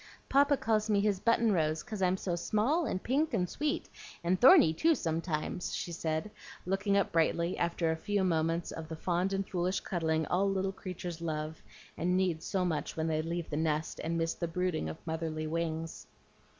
"Papa calls me his button rose, 'cause I'm so small and pink and sweet, and thorny too sometimes," she said, looking up brightly, after a few moments of the fond and foolish cuddling all little creatures love and need so much when they leave the nest, and miss the brooding of motherly wings.